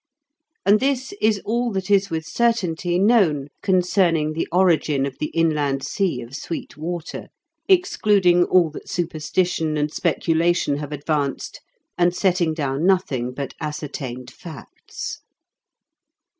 And this is all that is with certainty known concerning the origin of the inland sea of sweet water, excluding all that superstition and speculation have advanced, and setting down nothing but ascertained facts.